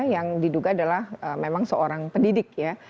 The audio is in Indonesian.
yang diduga adalah memang seorang pendidik ya